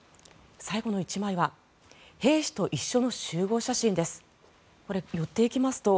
最後の１枚は兵士と一緒の集合写真です。